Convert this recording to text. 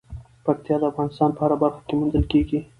پکتیا د افغانستان په هره برخه کې موندل کېږي.